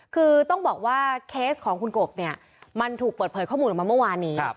คือต้องบอกว่าเคสของคุณกบเนี่ยมันถูกเปิดเผยข้อมูลออกมาเมื่อวานนี้